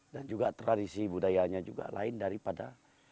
dan juga tradisi budayanya juga lain daripada